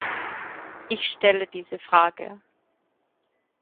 Ich stelle diese Frage.